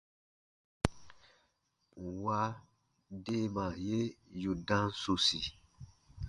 Nwa deemaa ye yù dam sosi.